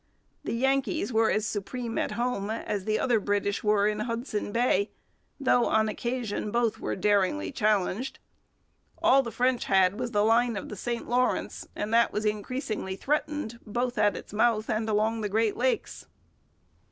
The Yankees were as supreme at home as the other British were in Hudson Bay, though on occasion both were daringly challenged. All the French had was the line of the St Lawrence; and that was increasingly threatened, both at its mouth and along the Great Lakes.